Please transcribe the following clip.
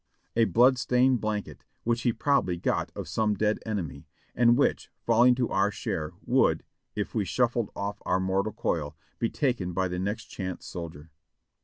A blood stained blanket which he probably got of some dead enemy, and which, falling to our share, would, if we "shuffled off our mortal coil," be taken by the next chance soldier.